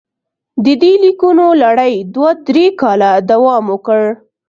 د دې لیکونو لړۍ دوه درې کاله دوام وکړ.